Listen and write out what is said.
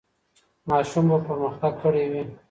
ماشوم به پرمختګ کړی وي.